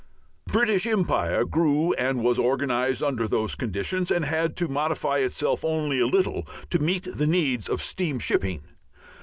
The British empire grew and was organized under those conditions, and had to modify itself only a little to meet the needs of steam shipping.